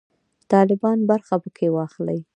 طالبان برخه پکښې واخلي.